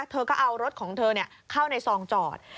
เธอก็เอารถของเธอเข้าในซองจอด